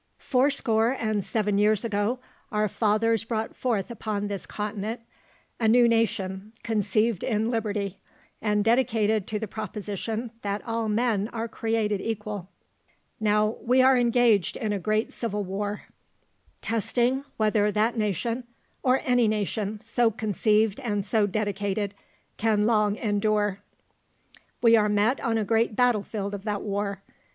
"Four score and seven years ago our fathers brought forth upon this continent a new nation conceived in liberty, and dedicated to the proposition that all men are created equal. Now we are engaged in a great civil war, testing whether that nation, or any nation so conceived and so dedicated, can long endure. We are met on a great battle field of that war.